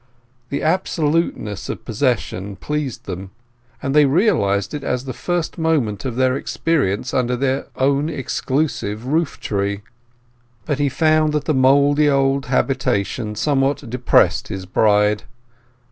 The absoluteness of possession pleased them, and they realized it as the first moment of their experience under their own exclusive roof tree. But he found that the mouldy old habitation somewhat depressed his bride.